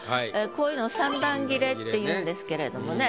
こういうのを三段切れっていうんですけれどもね。